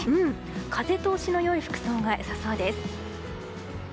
風通しの良い服装が良さそうです。